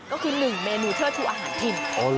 ก็คือ๑เมนูเทิดชูอาหารกิน